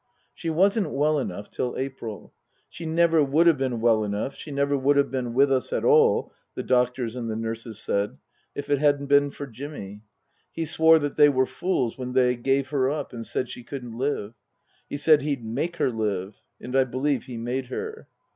She wasn't well enough till April. She never would have been well enough, she never would have been with us at all, the doctors and the nurses said, if it hadn't been for Jimmy. He swore that they were fools when they gave her up and said she couldn't live. He said he'd make her live. And I believe he made her.